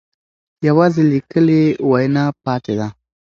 یوازې لیکلې وینا پاتې ده.